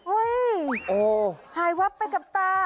อุ้ยหายวับไปกับตา